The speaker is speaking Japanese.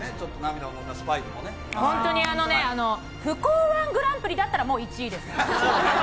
不幸１グランプリだったら、１位です。